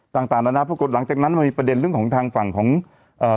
ต่างต่างนานาปรากฏหลังจากนั้นมันมีประเด็นเรื่องของทางฝั่งของเอ่อ